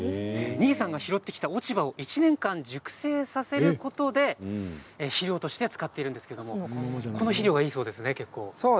新居さんが拾ってきた落ち葉を１年間熟成させることで肥料として使っているんですけどこの肥料がいいそうですね、結構。